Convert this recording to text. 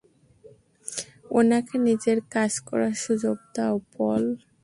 ওনাকে নিজের কাজ করার সুযোগ দাও পল।